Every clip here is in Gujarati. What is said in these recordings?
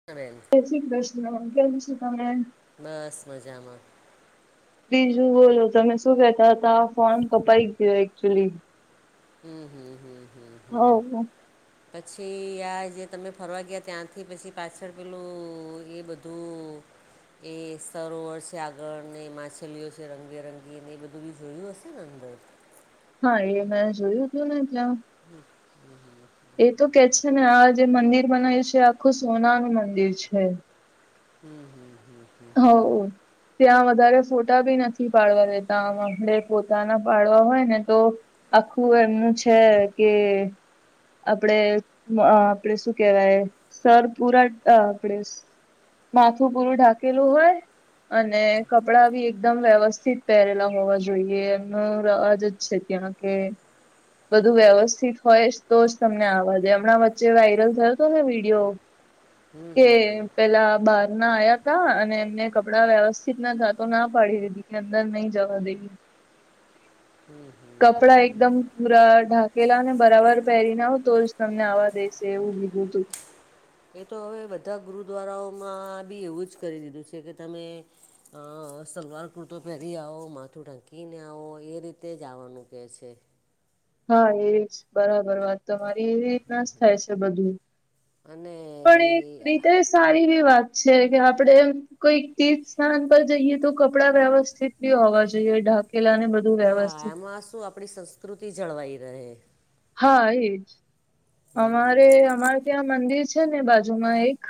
[unintelligible] જય શ્રી કૃષ્ણ કેમ છો તમે બસ મજામાં બીજું બોલો તમે શું કેહેતા હતા આ ફોન કપાઈ ગયો એકચુલી હમ હમ હમ હમ હમ હવ પછીઈઈ..... આ જે તમે ફરવા ગયા ત્યાંથી પછી પાછળ પેલુંઉ.... એ બધું એ સરોવર છે આગળ ને માછલીઓ છે રંગબેરંગી ને એ બધું બી જોયું હશે ને અંદર હા એ મેં જોયું તું ને ત્યા હમ હમ એ તો કે છે ને આ જે મંદિર બનાવ્યું છે આખું સોનાનું મંદિર છે હમ હમ હમ હમ હમ હવો ત્યાં વધારે ફોટા બી નથી પાડવા દેતા આમ આપડે પોતાના પાડવા હોય ને તો આખું એમનું છે કે આપણે આપણેે શું કેહેવાય સર પૂરા આપણે માથું પૂરું ઢાંકેલું હોય અને કપડાં બી એકદમ વ્યવસ્થિત પહેરેલા હોવા જોઈએ એમનો રવાજ જ છે ત્યાં કે બધું વ્યવસ્થિત હોય જ તો જ તમને આવાડે હમણાં વચ્ચે વાયરલ થયો તો ને વિડીયો કે પેલા બહાર ના આયા ના અને એમને કપડા વ્યવસ્થિત નતા તો ના પાડી દીધી કે અંદર નહી જવા દઈએ કપડા એકદમ પૂરા ઢક કેલા ને બરાબર પહેરીને આવો તો જ તમને આવા દેશે એવું કીધું તું એ તો હવે બધા ગુરુદ્વારાઓમાં બી એવું જ કરી દીધું છે કે તમે અ સલવાર કુર્તો પહેરી આવો માથું ઢાંકીને આવો એ રીતે જ આવવાનું કેહે છે હા એ જ બરાબર વાત તમારી એવી રીતના જ થાય છે બધું અને પણ એક એ રીતે સારી એવી વાત છે કે આપડે કઈક તીર્થ સ્થાન પર જઈએ તો કપડાં વ્યવસ્થિત બી હોવા જોઈએ ઢા હા એમાં શું આપડી સંસ્કૃતિ જળવાઈ રહે હા એજ હમ અમારે અમાર ત્યાં મંદિર છે ને બાજુમાં એક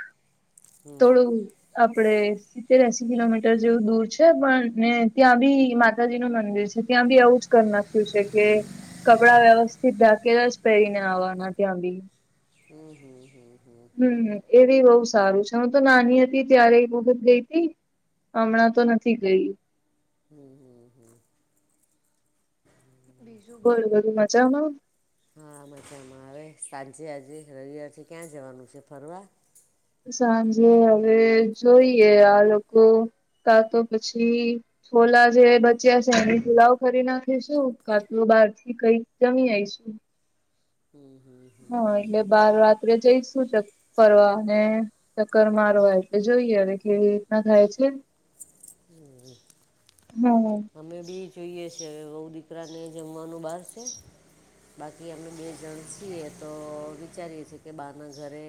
થોડું આપડે સિત્તેર એસી કિલોમીટર જેવું દૂર છે પણ ને ત્યાં બી માતાજી નું મંદિર છે ત્યાં બી એવુંજ કર નાખ્યું છે કે કપડા વ્યવસ્થિત ઢાંકેલા જ પહેરીને આવવાના ત્યાં બી હમ્મ હમ્મ હમ્મ હમ્મ હમ્મ એ બી બહુ સારું છે હું તો નાની હતી ત્યારે એક વખત ગઈ તી હમણાં તો નથી ગઈ હમ્મ હમ્મ હમ્મ હમ્મ બોલો બધું મજામાં તમારે સાંજે આજે રવિવાર છે ક્યાં જવાનું છે ફરવા સાંજે હવે જોઈએ આ લોકો કા તો પછી છોલા જે બચ્યા છે એમની પુલાવ કરી નાખીશું કાતો બહાર થી કઈ જમી આઈશું હમ્મ હમ્મ હા એટલે બાર રાત્રે જઈશું ત્યાં ફરવા અને ચક્કર મારવા એટલે જોઈએ હવે કેવી રીતના થાય છે [inaudible] [inaudible] હમ્મ અમે બી જોઈએ છે હવે બહુ દીકરાને જમવાનું બહાર છે બાકી અમે બે જણ છીએ તો વિચારીએ છીએ કે બા ના ઘરે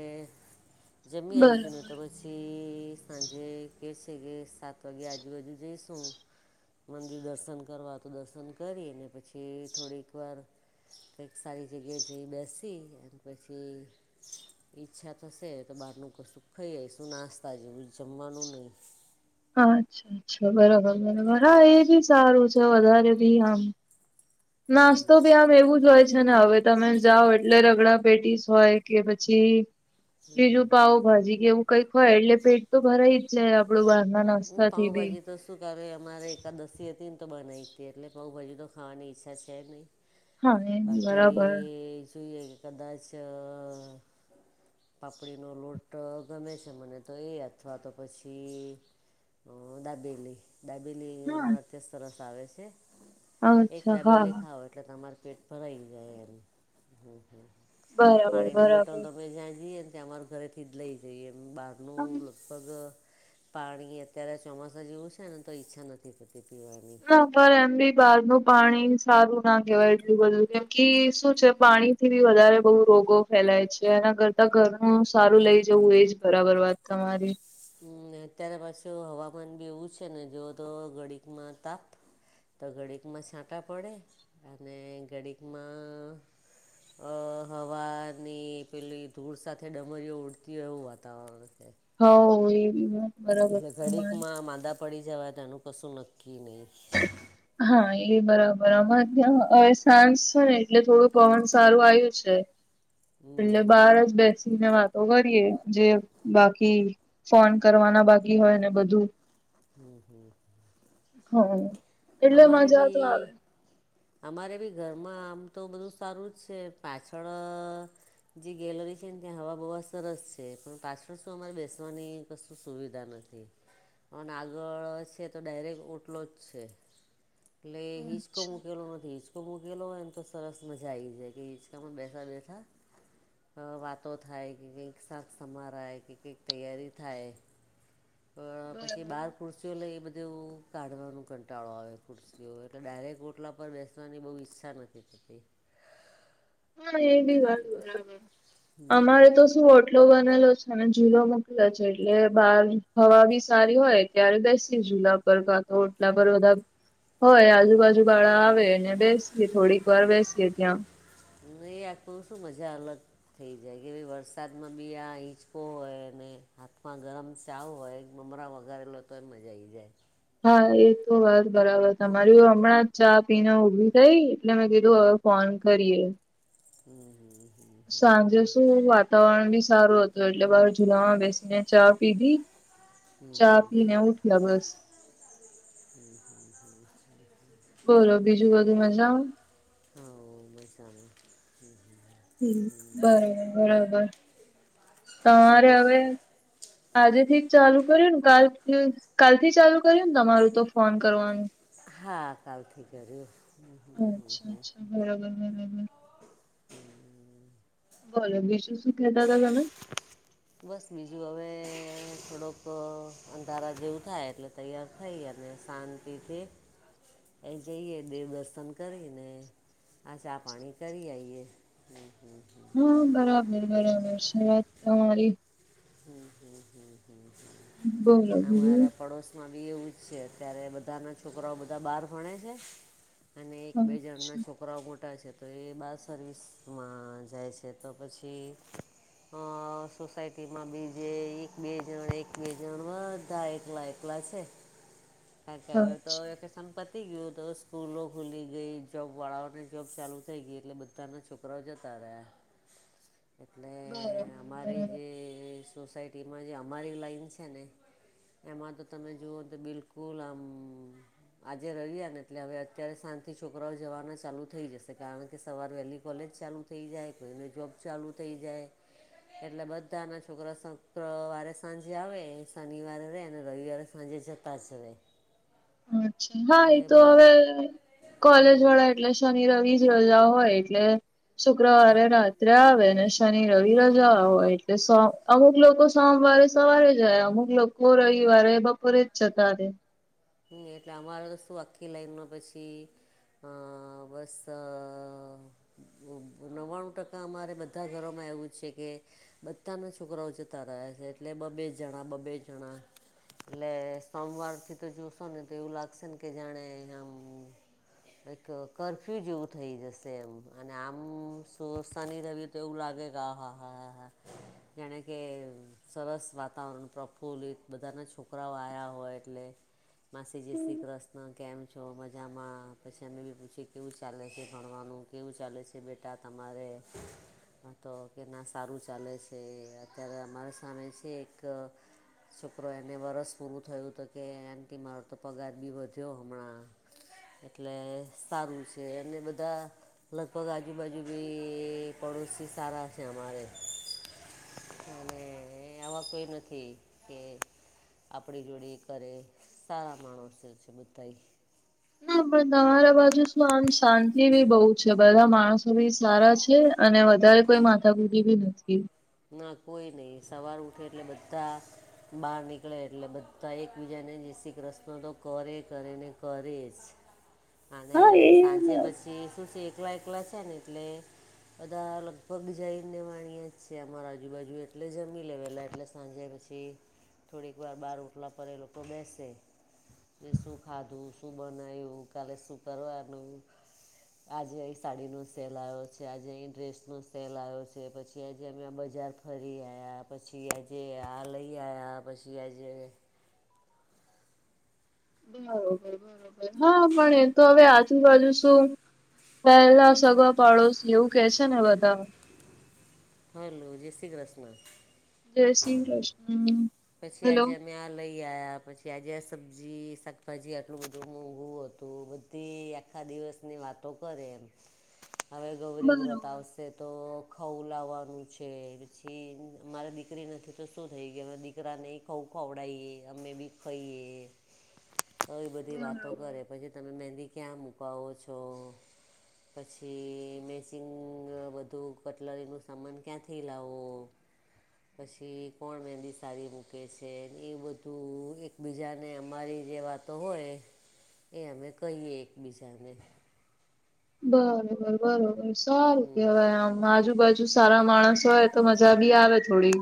જમી આઇશું ને બરાબર તમે પછી સાંજે કહે છે કે સાત વાગે આજુબાજુ જઈશું મંદિર દર્શન કરવા તો દર્શન કરીને પછી થોડીક વાર કઈક સારી જગ્યાએ જઈ બેસી અને પછી ઈચ્છા થશે તો બહારનું કશું ખાઈ આઇશું નાસ્તા જેવું જમવાનું નહી હા અચ્છા અચ્છા બરાબર બરાબર હા એ બી સારું છે વધારે ભી આમ હમ નાસ્તો હમ બી આમ એવું જ હોય છે ને હવે તમે જાઓ એટલે રગડા પેટીસ હોય કે પછી બીજું પાાવ ભાજી કે એવું કઈક હોય એટલે પેટ તો ભરાય આપણું બહાર ના હું નાસ્તા થી બી પાઉંભાજી તો શું કરે અમારે એકાદશી હતી ને તો બનાઇતી એટલે પાઉભાજી તો ખાવાની ઈચ્છા છે નહીં હા એ બી બરાબર બાકી જોઈ કે કદાચ પાપડીનો લોટ ગમે છે મને તો એ અથવા તો પછી હ દાબેલી દાબેલી અમાર હા ત્યાં સરસ આવે છે એક અચ્છા હા દાબેલી હા ખાાવ એટલે તમારે પેટ ભરાઈ જાય એમ હમ્મ હમ્મ બરાબર પાણી ની બોટલ બરાબર. તમે જ્યાં જઈએ ને ત્યાં અમાર ઘરેથી જ લઈ જઈએ એ બાર હમ લગભગ પાણી અત્યારે ચોમાસા જેવું છે ને તો ઈચ્છા નથી થતી પીવાની પર એમ બી બહાર ન પાણી સારું ના કેહેવાય એટલું બધું કેમ કે શું છે પાણી થી બી વધારે બહુ રોગો ફેલાય છે એના કરતા ઘરનું સારું લઇ જવું એજ બરાબર વાત તમારી હમ્મ અત્યારે પાછું હવામાન બી એવું છે ને જોઓ તો ઘડીમાં તાપ તો ઘડીકમાં છાંટા પડે અને ઘડીકમાં અ હવાની પેલી ધૂળ સાથે ડમરીઓ ઉડતી હોય એવું વાતાવરણ છે હોવ એ બી હે એટલે ઘડીકમાં માદા પડી જવા તેનું કશું નક્કી નહીં હા એ બરાબર અમારે ત્યાં અ સાંજ છે ને એટલે થોડું પવન સારું આયું છે પેલે હમ બહાર જ બેસી ને વાત તો કરીએ જે બાકી ફોન કરવાના બાકી હોય ને બધું હમ હમ હા એટલે અમારે મજા તો આવે બી અમારે બી ઘરમાં આમ તો બધું સારું જ છે પાછળ જે ગેલરી છે ને ત્યાં હવા બવા સરસ છે પણ પાછળ શું અમારે બેસવાની કશું સુવિધા નથી અને આગળ છે તો ડાયરેક ઓટલો જ છે એટલે હિચકો અચ્છા મુકેલો નથી હિચકો તો મૂકેલો હોય એમ તો સરસ મજા આયી જાય કે હિચકામાં બેઠા બેઠા વાતો થાય કે કંઈક શાક સમારાાય કે કંઈક તૈયારી થાય પછી બરાબર બાર ખુરશી એચ્યુઅલે એ બધું કાઢવાનું કંટાળો આવે ખુરશીઓ એટલે ડાયરેક્ટ ઓટલા પર બેસવાની બહુ ઈચ્છા નથી ધતી હા એ બી વાત બરાબર અમારે તો શું ઓ ટલો બનેલો છે અને ઝૂલો મોકલો છે એટલે બહાર હવા બી સારી હોય ત્યારે બેસીયે ઝૂલા પ ર તો ઓટલા પર બધા હોય આજુબાજુ વાળા આવેને બેસીએ થોડીક વાર બેસીએ ત્યાં ની આ [unintelligible] શું મજા અલગ થઈ જાય કે ભ વરસાદમાં બી આ હીચકો હોય અને હાથમાં ગરમ ચાવ હોય બમરા વઘારે લો તો એ મજા આવી જાય હા એ તો વાત બરાબર તમારી હમણાં ચા પીને ઊભી થઈ એટલે મેં કીધું હવે ફોન કરીએ હમ હમ હમ. સાંજે શું વાતાવરણ બી સારું હતું એટલે બાર જુલામાં બેસીને ચા પીધી ચા પીને ઉઠી્યા બસ હમ હમ બોલો હમ બીજું બધું મજામાં હા મૈસાણા હ હ હમ બરોબર બરોબર શું તમારે કહો છો? હવે આજે થી ચાલુ કર્યું ને કાલ કાલ થી ચાલુ કર્યું ને તમારું તો ફોન કરવાનું હા કાલથી કર્યું અચ્છા અચ્છા બરાબર [unintelligible] બોલો બીજુ શું કેતા તા તમે બસ બીજું હવે થોડોક અંધારા જેવું થાય એટલે તૈયાર થઈ અને શાંતિથી એ જઈએ દેવદર્શન કરી ને આ ચા પાણી કરી આઈએ હમ્મ હા બરાબર બરાબર છે વાત તમારી હ હમ હમ હ બોલો હ બીજું આમારા પડોશી બી એવું જ છે અત્યારે બધાના છોકરાઓ બધા બહાર ભણે છે અને એક બે અચ્છા જણના છોક કોરા મોટા છે તો એ બાર સર્વિસમાં જાય છે તો પછી અ સોસાયટી બીજે એક બે જણ એક બે જણ બધા એકલા એકલા છે કાઈ કે હવે તો અચ્છા ક્સુ સં પતી ગયું તો સ્કૂલો ખુલી ગઈ જોબવાળાઓને જોબ ચાલુ થઈ ગઈ એટલે બધું તતના છોકરાઓ જતા રહિયા એટલે બરાબર અમારી બરાબર જે સોસાયટીમાં જે અમારી લાઈન છે ને એમાં તો તમે જુઓ તો બિલકુલ આમ આજે રવિવાર ને એટલે હવે અત્યારે સાંજથી છોકરાઓ જવાના ચાલુ થઈ જશે કારણ કે સવાર વહેલી કોલેજ ચાલુ થ જાય કોઈને જોબ ચાલુ થઈ જાય એટલે બધા બધા ના છોકરા શુક્રવારે સાંજે આવે શનિવારે રહે અને રવિવારે સાંજે જતા જ રહે. અચ્છા હા એ એટલે બ તો હવે કોલેજ વાળા એટલે શનિ રવિ જ રજા હોય એટલે શુક્રવારે રાત ત્રા આવે ને શનિ રવિ રજા હોય એટલે અમુક લોકો સોમવારે સવારે જાય અમુક લોકો કો રવિવારે એ બપોરે જ જતા રે હમ્મ એટલે અમારે તો શું આખી લાઈન માં પછી હ વસ નવ્વાણું ટકા અમારે બધા ઘરોમાં એવું જ છે કે બધાના છોકરાઓ જતા રહ્યા છે એટલે બ બે જણા બ બે જણા એટલે સોમવારથી તો જોશો ને તો એવું લાગશે ને કે જાણે આમ એક કરફ્યુ જેવું થઇ જશે એમ અને આમ શની રવ તેવું લાગે ગ હા હા હા હા જેણે કે સરસ વાતાવરણ પ્રફુલ્લિત બધાના છોકરાઓ આવ્યા હોય એટલે માસી જય શ્રી ક્રષ્ણ. કેમ છો મજામાં પછી અમે બી પૂછી કેવું ચાલે છે ભણવાનું કેવું ચાલે છે કે બેટા તમારે હા તો કેના સારું ચાલે છે અત્યારે અમારી સામે છે એક છોકરો એને વરસ પૂરું થયું હત કે આંટી મારો તો પગાર બી વધ્યો હમણાં એટલે સારું છે અને બધા લગભગ આજુબાજુ બી પડોશી સારા છે અમારે. [unintelligible] અને આવા કોઈ નથી કે આપણી જોડીયે કરે સારા માણસો છે બધાઈ ના પણ તમારા બાજુ શું આમ શાંતિ બી બહુ છે બધા માણસો બી સારા છે અને વધારે કોઈ માથા ફૂટી ભી નથી. ના કોઈ નહિ સવાર ઉઠે એટલે બધા બહાર નીકળે એટલે બધા એકબીજાને જય શ્રી કૃષ્ણા તો કરે કરે ને કરે જ. [unintelligible] અને એ સાંજે પછી જે શું છે એકલા એકલા છે ને એટલે બધા લગભગ જઈને વાણીએ છે અમારા આજુબાજુ એટલે જમી લેવાલા એટલે સાંજે પછી થોડીક વાર બહાર ઓટલા પર એ લોકો બેસે. કે શું ખાધું શું બનાવ્યું કાલે શું કરવાનું આજે અહી સાડી નો સેલ આવ્યો છે આજે અહી ડ્રેસ નો સેલ આવ્યો છે પછી [unintelligible] આજે અમે બજાર ફરી આયા પછી આજે આ લઈ આયા પછી આજે હા પણ તો હવે આજુબાજુ શું પહેલા સગવા પાડોશી એવું કે છે ને બધા. હાલો, જય શ્રી કૃષ્ણ. જય શ્રી કૃષ્ણ. પછી હેલો આજેમ અમે આ લઈ આવ્યા પછી આજે આ સબ્જી શાકભાજી આટલું બધું મોંઘું હતું. થી આખા દિવસની વાતો કરે એમ હવે ગૌરી બરોબર વ્રત આવશે તો ખઉ લાવવાનું છે પછી મારી દીકરી નથી તો શું થઈ ગઈ દીકરી દીકરાને ખ ખવડએ અમે બી ખાઈએ તો એ બધી વાતો કરે. બરોબર પછી તમે મહેંદી ક્યાં મૂકાવો છો પછી મેચિંગ બધું કટલરીનું સામાન ક્યાંથી લાવો પછી કોણ મહેંદી સારી મૂકે છે એ બધું એકબીજાને અમારી જે વાત તો હોય એ અમે કહીએ એકબીજાને. બરોબર બરોબર, સારું હમ કેવાય આમ આજુબાજુ સારા માણસ હોય તો મજા બી આવે થોડી.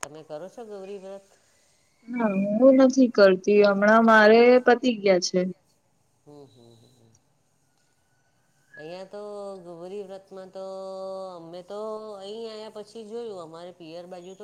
તમે કરો છો ગૌરી વત? ના હું નથી કરતી હમણાં મારે પતી ગયા છે. હમ્મ, હમ્મ, હમ્મ. અહીયાં તો ગોરી વ્રતમાં તો અમે તો અહી આવયા પછી જોયું અમારે પિયર બાજુ તો